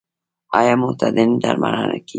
آیا معتادین درملنه کیږي؟